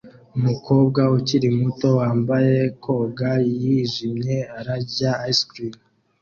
Umukobwa ukiri muto wambaye koga yijimye arya ice cream